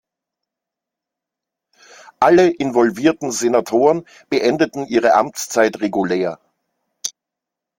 Alle involvierten Senatoren beendeten ihre Amtszeit regulär.